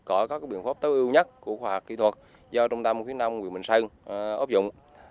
có các biện pháp tối ưu nhất của khoa học kỹ thuật do trung tâm khuyến đoan của huyện bình sơn ốp dụng